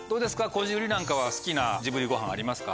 こじるりなんかは好きなジブリご飯ありますか？